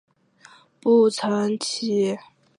步曾槭